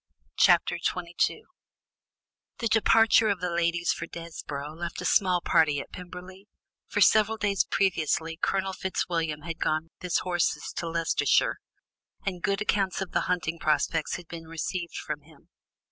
Chapter XXII The departure of the ladies for Desborough left a small party at Pemberley, for several days previously Colonel Fitzwilliam had gone with his horses to Leicestershire, and good accounts of the hunting prospects had been received from him.